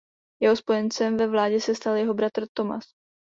Jeho spojencem ve vládě se stal jeho bratr Thomas.